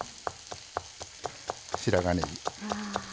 白髪ねぎ。